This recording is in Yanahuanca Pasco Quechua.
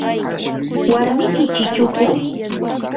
¿warmiki chichuku?